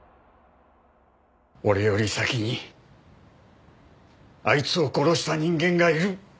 俺より先にあいつを殺した人間がいる。